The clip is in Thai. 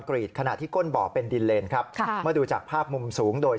กรีดขณะที่ก้นบ่อเป็นดินเลนครับค่ะเมื่อดูจากภาพมุมสูงโดย